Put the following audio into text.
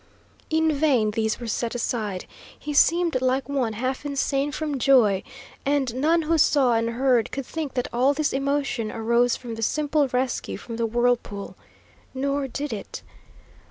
In vain these were set aside. He seemed like one half insane from joy, and none who saw and heard could think that all this emotion arose from the simple rescue from the whirlpool. Nor did it.